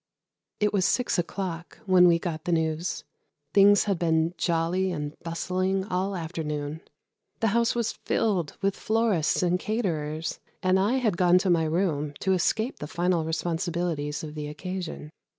It was six o'clock when we got the news. Things had been jolly and bustling all the afternoon. The house was filled with florists and caterers, and I had gone to my room to escape the final responsibilities of the occasion.